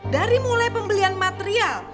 dari mulai pembelian material